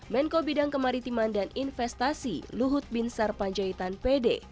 menko bidang kemaritiman dan investasi luhut binsar panjaitan pd